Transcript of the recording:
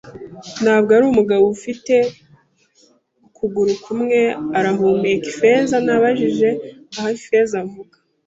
“Ntabwo ari umugabo - ufite ukuguru kumwe?” arahumeka. “Ifeza?” Nabajije. “Ah, Ifeza!” avuga.